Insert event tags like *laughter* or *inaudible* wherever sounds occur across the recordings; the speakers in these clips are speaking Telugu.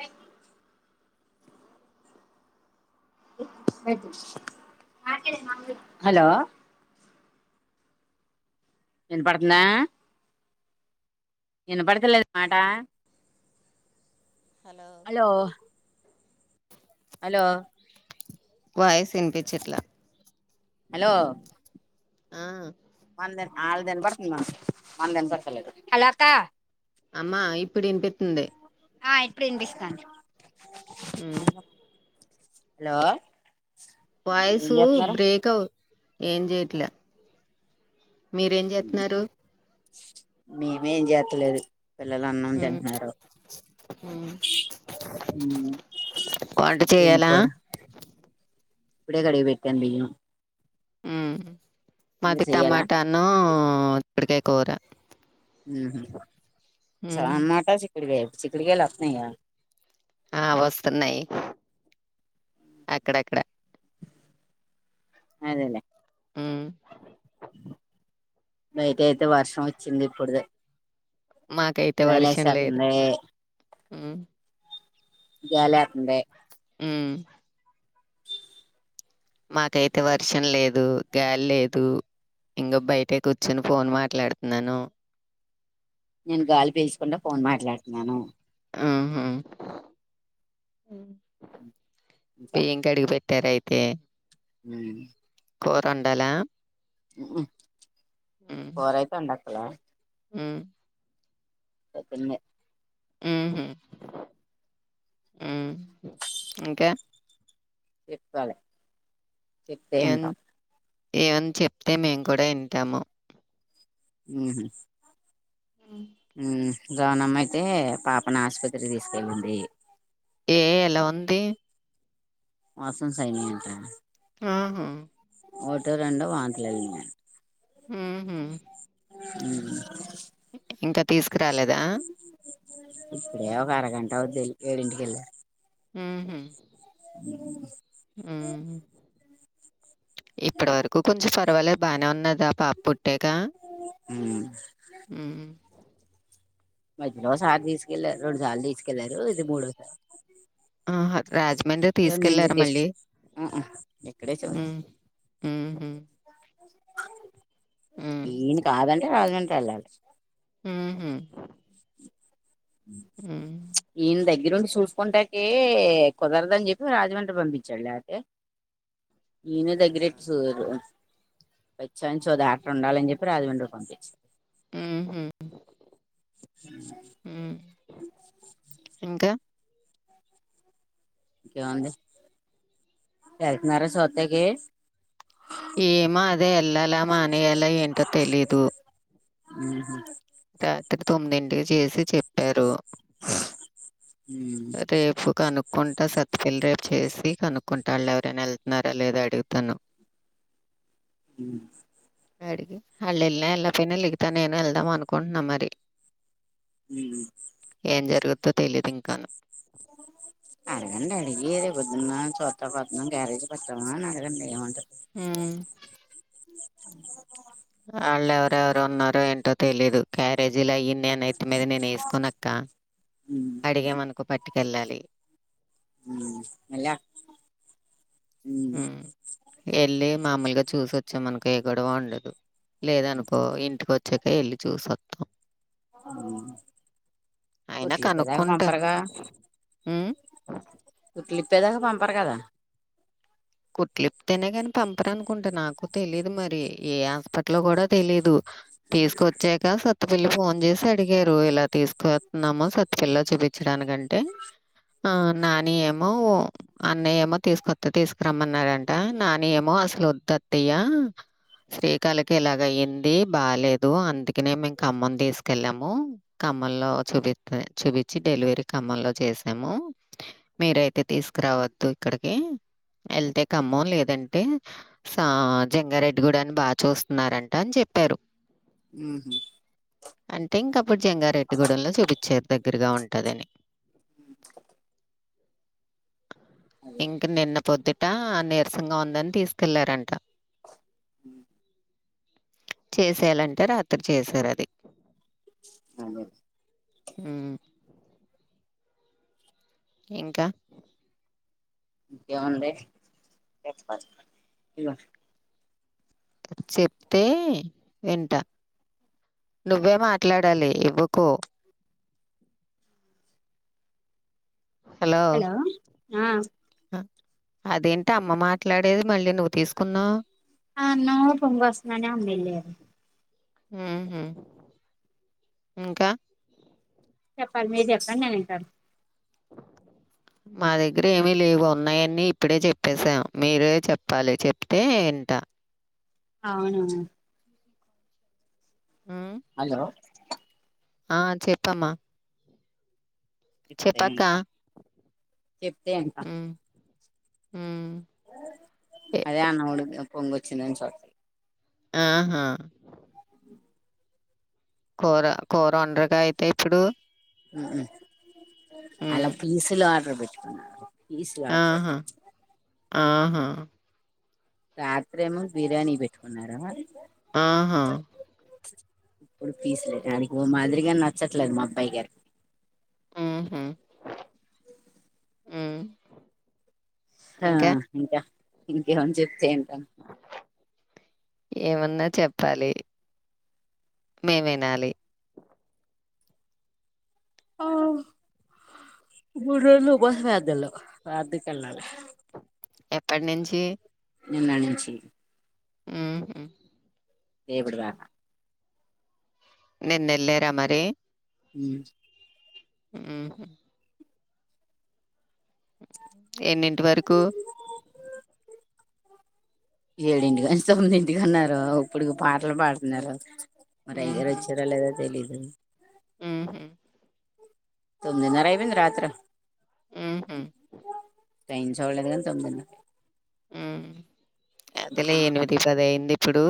అ హలో ఇనపడుతుందా ఇనపడతలేదా మాటా హలో హలో వాయిస్ వినిపించట్లా హలో ఆ ఆల్ది ఇనపడుతుంది మనకి మనది వినపడ్తలేదు అమ్మా ఇప్పుడు ఇనిపిత్తుంది ఆ ఇప్పుడు ఇనిపిస్తాంది ఉ హలో ఏం వాయిసు చేస్తున్నారు బ్రేక్ అవ్ ఏం చెయట్లే మీరేం చేత్తున్నారు మేమేం చేట్లేదు పిల్లలు అన్నం ఉమ్ తింటున్నారు ఉ వంట చేయాలా ఇప్పుడే కడిగి పెట్టాను బియ్యం ఉ మీరు మాది చెయ్యాలా టమాటాను ఇప్పట్టికాయ కూర ఉమ్ చమాటా చిక్కిడి కాయ చిక్కిడికాయలు వస్తున్నాయా ఆ వస్తున్నాయి అక్కడక్కడ అదేలే ఉ బయట అయితే వర్షం వచ్చింది ఇప్పుడుదే మాకైతే వర్షం లేదు చాలేస్స్తుంది ఉమ్ గ్యాలెత్తుంది ఉ మాకైతే వర్షం లేదు గాలి లేదు ఇంగ బయటె కూర్చొని ఫోన్ మాట్లాడుతున్నాను నేను గాలి పీల్చకుండా ఫోన్ మాట్లాడుతున్నాను ఆ ఆ బియ్యం కడికి పెట్ ట్టారైతే ఉ కూరోండాల కురైతే వండట్లే ఉ పొద్దుందే ఉహు ఉ ఇంకా చెప్పాలి చెప్పే అంట ఏమన్న చెప్తే మేము కూడా వింటాము మ్ హ్మ్. మ్ జోనమ్మయితే పాపను ఆస్పత్రికి తీసుకెళ్ళింది ఏ ఎలా ఉంది మొషన్స్ అయినాయి అంట ఆహా ఓటర్ అండ్ వంతులయినయంట మ్ హు ఉ ఇంకా తీసుకురాలేదా ఏ ఒక అర గంట అవుద్ధి ఎల్లిపోయరు ఇంటికేల్ మ్ హు అ మ్ ఇప్పటి వరకు కొంచెం పర్వాలే బానే ఉన్నదా పాప పుట్టక మ్ మ్ మధ్యలో ఒకసారి తీసుకెళ్లారు రెండు సార్లు తీసుకెళ్లారు ఇది మూడోసారి ఆహా రాజమండ్రి నుంచి తీసుకెళ్లారా తీసు మళ్ళీ ఉహు ఇక్కడే చు మ్ హు ఈయన కాదంటే రాజమండ్రి వెళ్ళాలి మ్ హు ఈయన్ దగ్ ఈ రోజు చూసుకుంటకి కుదరదు అని చెప్పి రాజమండ్రి పంపించడు లేపోతే ఈయన దగ్గరె *unintelligible* ఉండాలని చెప్పి రాజమండ్రి పంపించారు హుహు. హ్మ్. హ ఇంకా ఇకేముంది వెళ్తున్నారా సుత్తకి ఏమో అదే ఎల్లలా మానేయలా ఏంటో తెలీదు మ్ హు రాత్రి తొమ్మిదింటికి చేసి చెప్పారు ఆ రేపు కనుక్కుంటా సత్పిల్లి రేపు చేసి కనుక్కుంటడు లే ఎవరైనా వెళ్తున్నారా లేదా అడుగుతాను మ్ అడిగి వాళ్ళేళ్లి న ఎళ్ళకపోయిన లికితా నేను వెళ్దాం అనుకుంటున్నా మరి మ్ ఏం జరుగుద్దో తెలిదు ఇంకాను అహ అడగండి అడిగి రేప్ పొద్దున్న చూత్తాకి ఓత్తున్నం గ్యారేజీ పద్దామా అని అడగండి ఏమంట మ్ వాళ్ళు ఎవరెవరు ఉన్నారో ఏంటో తెలీయదు క్యారేజ్ లయ్యి నీను నత్తి మీద నేను వేసుకోనక్క ఉమ్ అడిగామనుకో ప ఇంటికికెళ్ళాలి అలా మామలుగా చూసొచ్చామనుకో ఏ గొడవ ఉండదు లేద అనుకో ఇంటికచ్చ చ్చకా వెళ్ళి చూసవొస్తాం ఉమ్ అయినా కుట్లు ఇప్పేదాకా కనుక్కుంటాను పంపరుగా హ కుట్లు ఇప్పేదాకా పంపారు కదా కుట్లిప్తేనే కాని పంపరా అనుకుంటే నాకు తెలీదు మరి ఏ హాస్పిటల్ కూడా తెలీదు తీసుకొచ్చాక స సత్తపిల్లి ఫోన్ చేసి అడిగారు ఇలా తీసుకొస్తున్నామో సత్తపిల్ల చూపించడానికంటే ఆ నాని ఏమో అన్నయ్య ఏమో తీసుకొస్త తీసుకు రమ్మన్నారంట నాని ఏమో అసలు అత్తయ్య శ్రీకాళకి ఎలాగయింది బాలేదు అందుకనే మేం ఖమ్మం తీసుకెళ్ళాము మాలో చూపించి డెలివరీ ఖమ్మం లో చేసాము మీరైతే తీసుకు కావద్దు ఇక్కడికి వెళ్తే ఖమ్మం లేదంటే సా జంగారెడ్డి కూడా అని బాగా చూస్తున్నారంట అని చెప్ప త్తరు ఉమ్ అంటే ఇంకా అప్పుడు జంగారెట్టి గూడెంలో చూపించారు దగ్గరగా ఉంటందని ఇంకా నిన్న పొద్దుట నీరసంగా ఉందని తీసుకెళ్లారంట అహ చేసేయాలంటే రాత్రి చేసారుది అదే ఉమ్మ్ ఇంకా ఇంకేముంది చెప్పాలి చెప్తే వింటా నువ్వే మాట్లాడాలి ఇవ్వకో హలో ఆ అదేంటి అమ్మ మాట్లాడేది మళ్ళీ నువ్వు తీసుకున్నావవు అన్నం పొంగు వస్తుందని అమ్మాయి వెళ్లారు ఉహు ఇంకా చెప్పాలి మీరు చెప్పండి నేను వింటను మా దగ్గర ఏమి లేవ ఉన్నాయని ఇప్పుడే చెప్పసాం మీరే చెప్పాలి చెప్తే వింటా అవునా హ్మ్. హలో ఆ చెప్పమా చెప్తే ఇంట చెప్తే ఇంట హ్మ్. హ్మ్. ఎ అదే అన్నవుడికి పొంగొచ్చిందని చూస్త ఆహా కూర కూర వండరగా అయితే ఇప్పుడు ఉహు అలా హ్మ్. పీస్లు ఆర్డర్ పెట్టుకున్నారు పీసులు ఆర్డర్ పెట్టు ఆహా ఆహా రాత్రేమో బిర్యానీ పెట్టుకున్నారా ఆహా గని ఓ మాదిరిగా నచ్చట్లేదు మా అబ్బాయి గారు ఉహు మ్ ఆ ఇంకా ఇంకేం జెప్తే ఏం ఏమన్నా చెప్పాలి మేమినాలి ఆ మూడు రోజలు ఉపవాసవే అద్దలు అద్దకల్లలే ఎప్పట్నించి నిన్న నుంచి ఉహు రేపటి దాక నిన్నెళ్లేరా మరి ఉ మ్ ఎన్నింటి వరకు ఏడింటికని తొమ్మిదింటికిన్నారు ఇప్పుడుకి పాటలు పాడుతున్నారు మరి అయగారు వచ్చారో లేదో తెలీదు ఉహు తొమ్మిదిన్నర అయిపోయింది రాత్ర ఉహు పెంచోలు గద తొమ్మిదినరకి అదిలే ఎనిమిది పది అయింది ఇప్పుడు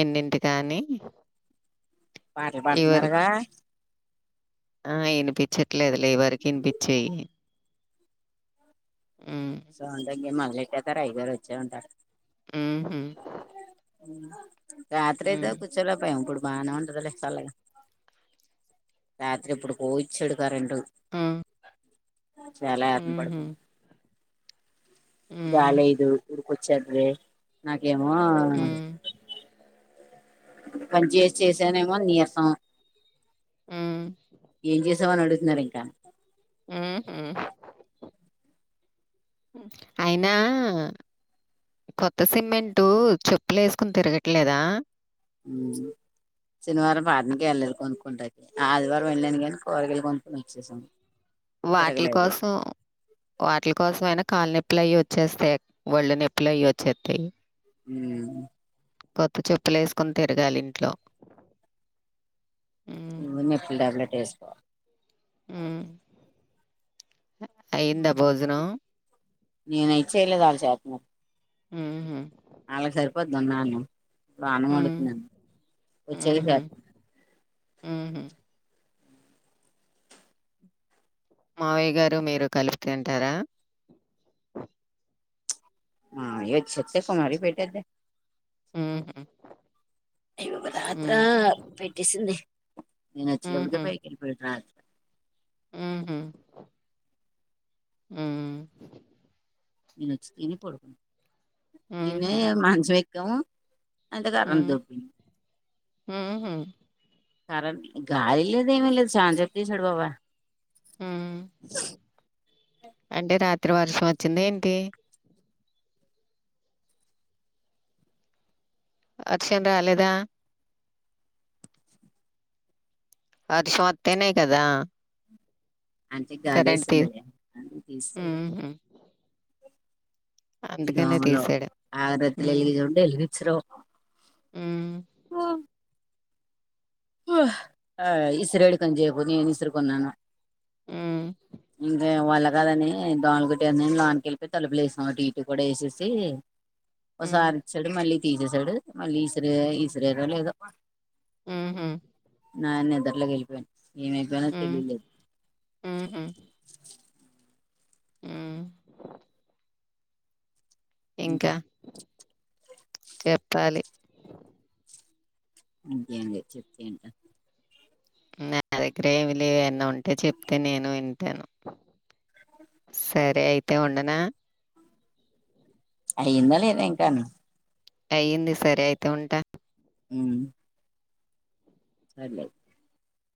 ఎన్నింటి కానీ పాట్లు పాడుతున్నారుగా ఆ ఇనిపించట్లేదులే ఎవరికి ఇనిపిచ్చాయి సౌంద్ దగి మల్లెట్టతారు అయ్యగారు వచ్చే ఉంటారు హుహు. రాత్రేదో హ్మ్. కూచోలేక పోయం ఇప్పుడు బానే ఉంటదిలే చల్లగా రాత్రి ఏప్పుడుకో ఇచ్చాడు కరెంటు ఆ చాలా ఆర్మ్ పడుపో హ్మ్. గాలైదు ఊర్కొచెద్ది నా ఏమో హ్మ్. పని చేసి చేసా నేమో నీరసం ఊ ఏం చేసావని అడుగుతున్నారు ఇంకా ఉహు అయినా కొత్త సిమెంటు చెప్పులేసుకోని తిరగట్లేదా మ్ శనివారం పాటకెళ్లలేదు కొనుక్కుంటది ఆదివారం వెళ్ళాను కానీ కూరగాయలు కొనుక్కుని వచ్చేసా వాటిల కోసం వాటిల కోసమయినా కాలి నెప్ అట్లయి వచ్చేస్తే వళ్ళు నొప్పిలయి వచ్చేత్తే మ్ కొత్త చెప్పులు వేసుకుని తిరగాలి ఇంట్లో ను మెట్ల్ టాబ్లెట్ వేసుకో అయ్యిందా భోజనం నేను ఇచ్చేయలేదు వాళ్ చేతన్నారు ఉహు అళ్ళకి సరిపోద్దున్నాను బాన హ్మ్. వండుతున్నాను వచ్చేది చే ఉహు మావయ్య గారు మీరు కలిపి తింటరా ఆ ఇయ సత్యకుమారి పేటద్దే ఉ అయ్య ఒక రాత్రా పెట్టేసింది నేనుచ్చోలోపలికే పైకిలి పోయి రా ఉహు ఉ నుచ్చి తిని పడుకును తిన హుహు. మంచం ఎక్కవు అంత కారదో ఉహు కరెంట్ గాలి లేదు ఏమి లేదు ఛానసేపు తీసాడు వా ఆ అంటే రాత్రి వర్షం వచ్చింద ఏంటి అర్షం రాలేదా వర్షం వత్తేనే కదా అంటే గాలి కరెంట్ తీ ఏసిందలే అ తీస్తా హుహు. అందుకనే దోమలు తీసాడు. ఆరతులు ఎలిగ చండి వెలిగించ్ర ఆ హ ఆ ఆ ఇసురు హడ్కని జేబు నేను ఇసురు కొన్నాను హ్మ్. ఇంగా వళ్ళ కాదని దోమలుగుట్టే ఏని లోపలకి వెళ్ళి తలుపులేసినాంటు ఇటు కూడా వేసేసి హ్మ్. ఒకసారి ఇచ్చాడు మళ్ళీ తీసేసాడు మళ్ళీ ఈశ్ర ఈశరరా లేదో ఉహు నా నిద్రలోకి వెళ్ళిపోయాను ఏమైపోయినానో హ్మ్. తెలియలేదు హుహు. హ్మ్. ఇంకా చెప్పాలి అంతే అండి చెప్తయంట నా దగ్గర ఏమి లేవన్న ఉంటే చెప్తే నేను వింటాను సరే అయితే ఉండనా అయ్యిందా లేదా ఇంకాను అయింది సరే అయిత ఉంటా ఉ సరలేదు